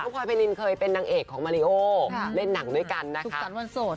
พลอยเฟย์ลินเคยเป็นนางเอกของมาริโอเล่นหนังด้วยกันนะคะทุกสันวันโสด